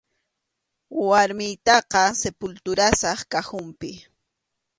Warmiytaqa sepulturasaq cajonpi.